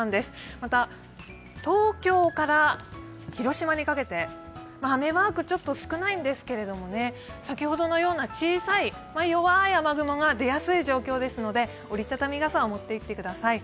また東京から広島にかけて雨マークちょっと少ないんですけれども先ほどのような小さい、弱い雨雲が出やすい状況ですので折りたたみ傘を持っていってください。